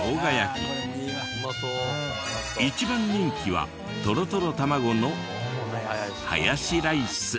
一番人気はとろとろ卵のハヤシライス。